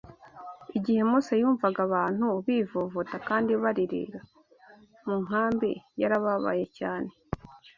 Igihe Mose yumvaga abantu bivovota kandi baririra mu nkambi yarababaye cyane